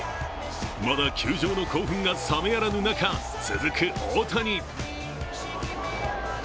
まだ球場の興奮が冷めやらぬ中、続く大谷。